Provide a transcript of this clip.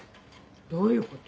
どういうこと？